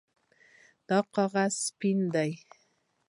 دا کاغذ سپین ده